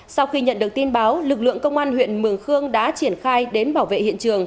sau khi nhận được tin báo lực lượng công an huyện mường khương đã triển khai đến bảo vệ hiện trường